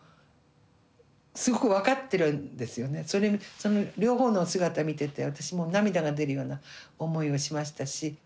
その両方の姿見てて私も涙が出るような思いをしましたし。